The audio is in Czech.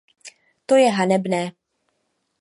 To je hanebné!